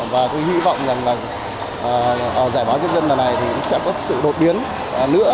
và tôi hy vọng rằng là giải báo nhân dân lần này thì cũng sẽ có sự đột biến nữa